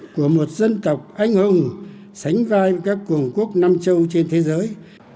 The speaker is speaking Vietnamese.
của một dân tộc anh hùng sánh vai các cuồng quốc nam châu trên thế giới